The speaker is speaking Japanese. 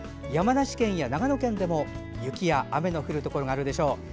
山梨県や長野県でも雪や雨の降るところがあるでしょう。